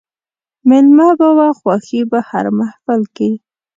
مېلمنه به وه خوښي په هر محل کښي